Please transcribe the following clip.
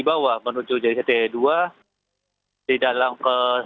dibawa menuju jct dua di dalam ke